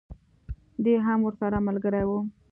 دی هم ورسره ملګری وو.